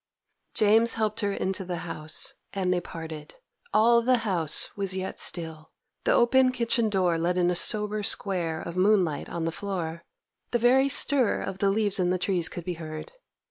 James helped her into the house, and they parted. All the house was yet still. The open kitchen door let in a sober square of moonlight on the floor; the very stir of the leaves in the trees could be heard.